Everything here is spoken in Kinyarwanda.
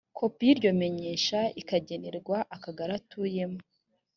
kopi y’ iryo menyesha ikagenerwa akagari atuyemo